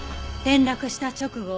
転落した直後